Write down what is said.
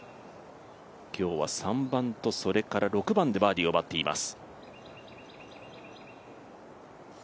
今日は３番とそれから６番でバーディーを奪っています。